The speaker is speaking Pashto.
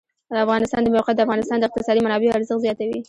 د افغانستان د موقعیت د افغانستان د اقتصادي منابعو ارزښت زیاتوي.